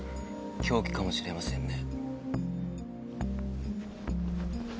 凶器かもしれませんね。